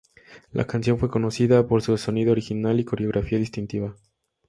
La canción fue conocida por su sonido original y coreografía distintiva.